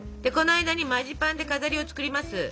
この間にマジパンで飾りを作ります。